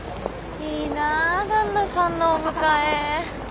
いいなぁ旦那さんのお迎え。